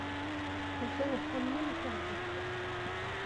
Meẓẓi uxxam-nni maca ad aɣ-d-yekfu.